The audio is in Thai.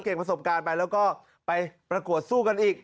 ประสบการณ์ไปแล้วก็ไปประกวดสู้กันอีก